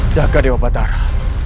jaga dewa batara